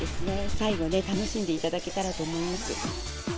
最後ね、楽しんでいただけたらと思います。